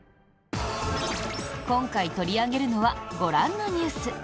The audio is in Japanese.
今回取り上げるのはご覧のニュース。